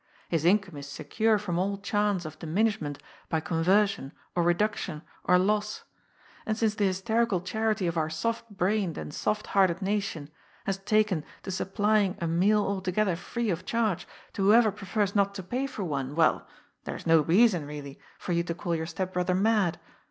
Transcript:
His income is secure from all chance of diminishment by conversion or reduction or loss. And since the hysterical charity of our soft brained and soft hearted nation has taken to supplying a meal altogether free of charge to whoever prefers not to pay for one, well — there is no reason, really, for you to call your step brother mad.